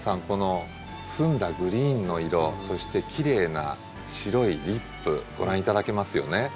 この澄んだグリーンの色そしてきれいな白いリップご覧頂けますよね。